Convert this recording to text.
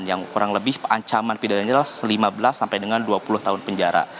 yang kurang lebih ancaman pidananya adalah lima belas sampai dengan dua puluh tahun penjara